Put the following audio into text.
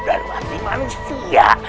dan mati manusia